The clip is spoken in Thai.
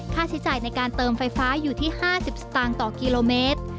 ค่าใช้จ่ายในการเติมไฟฟ้าอยู่ที่๕๐สตางค์ต่อกิโลเมตร